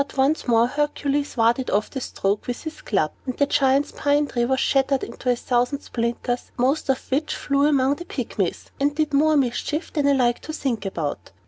But once more Hercules warded off the stroke with his club, and the Giant's pine tree was shattered into a thousand splinters, most of which flew among the Pygmies, and did them more mischief than I like to think about.